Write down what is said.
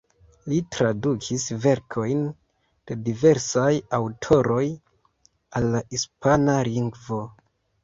Li tradukis verkojn de diversaj aŭtoroj al la hispana lingvo.